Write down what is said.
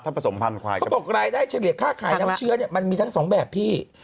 ผสมพันธ์เขาบอกรายได้เฉลี่ยค่าขายน้ำเชื้อเนี่ยมันมีทั้งสองแบบพี่